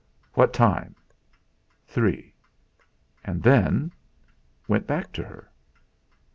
"What time?" "Three." "And then?" "Went back to her."